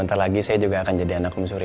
makam siapa yang aden kunjungi